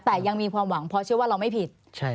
แต่ยังมีความหวังเพราะเชื่อว่าเราไม่ผิด